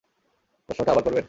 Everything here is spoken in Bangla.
প্রশ্নটা আবার করবেন?